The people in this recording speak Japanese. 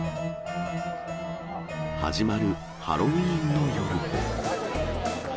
始まるハロウィーンの夜。